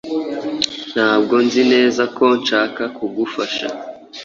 Ntabwo nzi neza ko nshaka kugufasha.